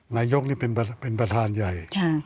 นายกนี่เป็นประธานใหญ่